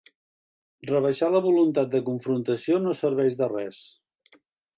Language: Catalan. Rebaixar la voluntat de confrontació no serveix de res.